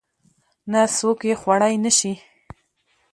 نه څوک يې خوړى نشي.